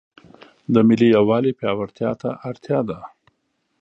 د ملي یووالي پیاوړتیا ته اړتیا ده.